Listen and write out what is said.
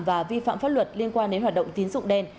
và vi phạm pháp luật liên quan đến hoạt động tín dụng đen